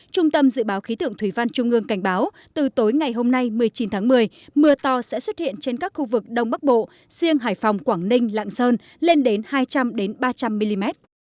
trung tâm dự báo khí tượng thủy văn trung ương cảnh báo từ tối ngày hôm nay một mươi chín tháng một mươi mưa to sẽ xuất hiện trên các khu vực đông bắc bộ riêng hải phòng quảng ninh lạng sơn lên đến hai trăm linh ba trăm linh mm